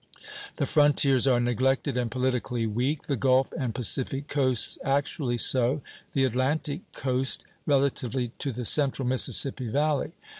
The frontiers are neglected and politically weak; the Gulf and Pacific coasts actually so, the Atlantic coast relatively to the central Mississippi Valley.